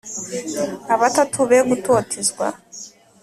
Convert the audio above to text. abatatu be gutotezwa